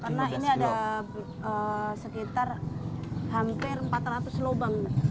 karena ini ada sekitar hampir empat ratus lubang